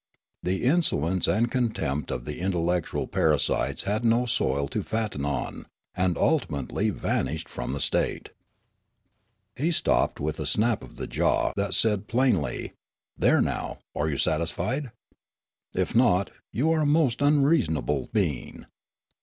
The insolence and contempt of the intellectual parasites had no soil to fatten on, and ultimately vanished from the state." He stopped with a snap of the jaw that said plainly: "There now; are you satisfied? If not, you are a most unreasonable being.